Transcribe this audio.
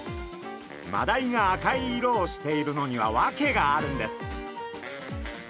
マダイが赤い色をしているのには訳があるんです。